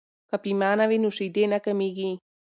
که پیمانه وي نو شیدې نه کمیږي.